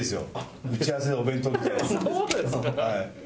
はい。